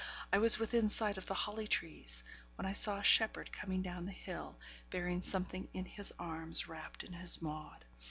I was within sight of the holly trees, when I saw a shepherd coming down the hill, bearing something in his arms wrapped in his maud.